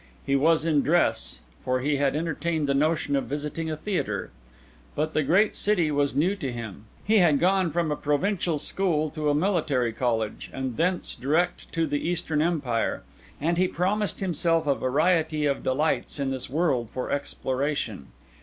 He was in dress, for he had entertained the notion of visiting a theatre. But the great city was new to him; he had gone from a provincial school to a military college, and thence direct to the Eastern Empire; and he promised himself a variety of delights in this world for exploration.